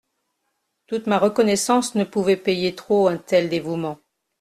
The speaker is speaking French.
Toute ma reconnaissance ne pouvait payer trop un tel dévouement.